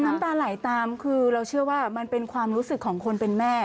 น้ำตาไหลตามคือเราเชื่อว่ามันเป็นความรู้สึกของคนเป็นแม่